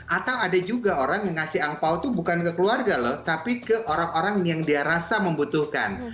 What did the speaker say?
atau ada juga orang yang ngasih angpao itu bukan ke keluarga loh tapi ke orang orang yang dia rasa membutuhkan